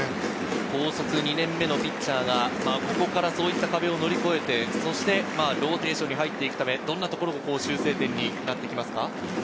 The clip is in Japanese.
高卒２年目のピッチャーがここからそういった壁を乗り越えて、ローテーションに入っていくため、どんなところが修正点になってきますか？